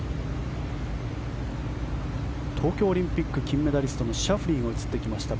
東京オリンピック金メダリストのシャフリーが映ってきました。